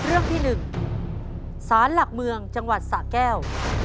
เรื่องที่๑สารหลักเมืองจังหวัดสะแก้ว